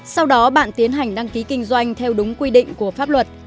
sau đó bạn tiến hành đăng ký kinh doanh theo đúng quy định của pháp luật